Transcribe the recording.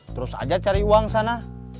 terus aja cari uang sana